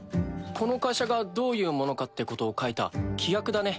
この会社がどういうものかってことを書いた規約だね。